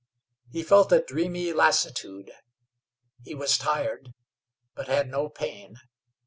He felt a dreamy lassitude. He was tired, but had no pain.